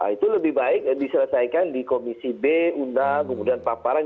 itu lebih baik diselesaikan di komisi b undang kemudian paparan